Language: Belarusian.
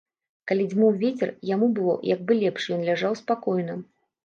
Калі дзьмуў вецер, яму было як бы лепш, ён ляжаў спакойна.